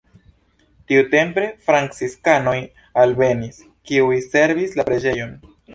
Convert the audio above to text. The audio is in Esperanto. Tiutempe franciskanoj alvenis, kiuj servis la preĝejon.